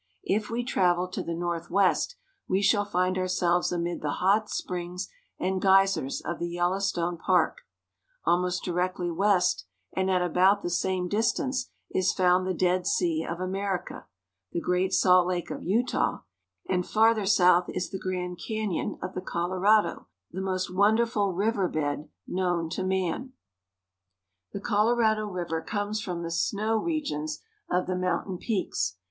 If we travel to the northwest, we shall find Scene in Yellowstone Park. ourselves amid the hot springs and geysers of the Yellow stone Park ; almost directly west, and at about the same distance, is found the Dead Sea of America, the Great Salt Lake of Utah ; and farther south is the Grand Canyon of the Colorado, the most wonderful river bed known to man. 238 THE ROCKY MOUNTAIN REGION. 'J The Colorado River comes from the snow regions of the mountain peaks.